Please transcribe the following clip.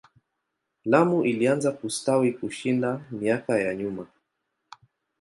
Lamu ilianza kustawi kushinda miaka ya nyuma.